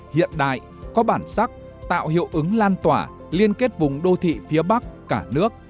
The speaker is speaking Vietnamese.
hiện đại có bản sắc tạo hiệu ứng lan tỏa liên kết vùng đô thị phía bắc cả nước